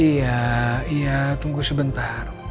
iya iya tunggu sebentar